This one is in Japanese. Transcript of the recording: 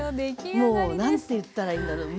もう何ていったらいいんだろう。